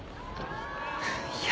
いや。